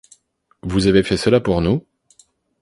vous avez fait cela pour nous ?